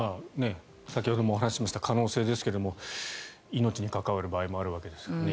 先ほども話しました可能性ですけども命に関わる場合もあるわけですからね。